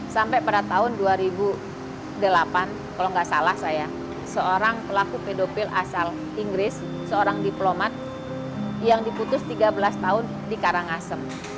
sampai pada tahun dua ribu delapan kalau nggak salah saya seorang pelaku pedofil asal inggris seorang diplomat yang diputus tiga belas tahun di karangasem